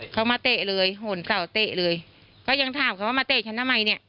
เขามาเตะเลยหนเสาเตะเลยก็ยังถามเขาว่ามาเตะฉันทำไมเนี่ย